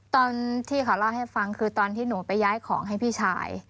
ตอนที่เขาเล่าให้ฟังคือตอนที่หนูไปย้ายของให้พี่ชาย